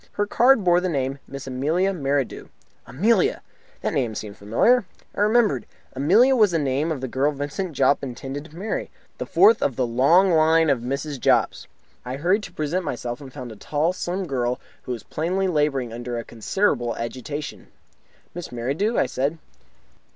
Her card bore the name "Miss Amelia Merridew." Amelia! The name seemed familiar. Then I remembered. Amelia was the name of the girl Vincent Jopp intended to marry, the fourth of the long line of Mrs. Jopps. I hurried to present myself, and found a tall, slim girl, who was plainly labouring under a considerable agitation. "Miss Merridew?" I said.